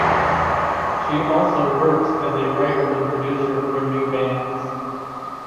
She also works as a writer and producer for new bands.